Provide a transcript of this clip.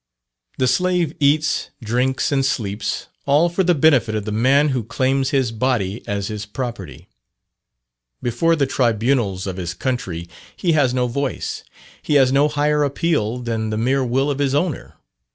The slave eats, drinks, and sleeps all for the benefit of the man who claims his body as his property. Before the tribunals of his country he has no voice. He has no higher appeal than the mere will of his owner.